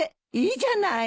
いいじゃない。